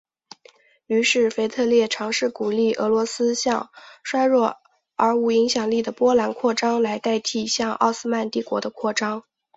于是腓特烈尝试鼓励俄罗斯向衰弱而无影响力的波兰扩张来代替向奥斯曼帝国的扩张。